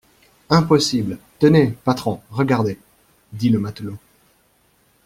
Impossible ! Tenez, patron, regardez, dit le matelot.